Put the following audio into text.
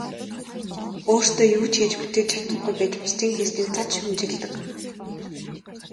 Өөрсдөө юу ч хийж бүтээж чадахгүй байж бусдын хийснийг зад шүүмжилдэг.